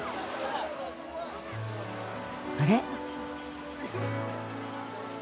あれ？